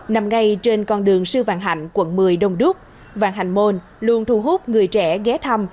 nằm ngay trên con đường sư vạn hạnh quận một mươi đông đúc vàng hành môn luôn thu hút người trẻ ghé thăm